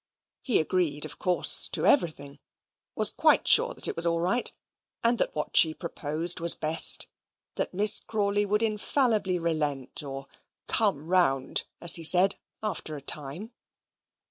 He agreed, of course, to everything; was quite sure that it was all right: that what she proposed was best; that Miss Crawley would infallibly relent, or "come round," as he said, after a time.